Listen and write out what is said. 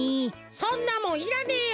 そんなもんいらねえよ。